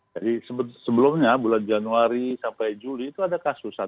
jadi sebelumnya bulan januari sampai juli itu ada kasus satu dua